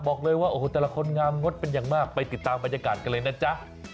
บอกเลยว่าโอ้โหแต่ละคนงามงดเป็นอย่างมากไปติดตามบรรยากาศกันเลยนะจ๊ะ